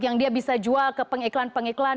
yang dia bisa jual ke pengiklan pengiklan